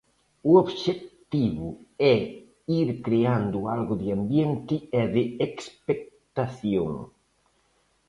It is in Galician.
O obxectivo é ir creando algo de ambiente e de expectación.